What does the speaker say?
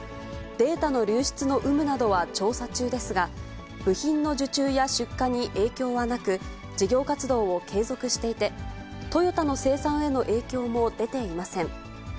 データの流出の有無などは調査中ですが、部品の受注や出荷に影響はなく、事業活動を継続していて、トヨタの生産への影響も出ていません。